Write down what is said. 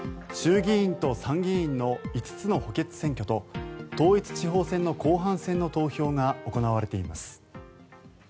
衆議院と参議院の５つの補欠選挙と統一地方選の後半戦の投票が行われています。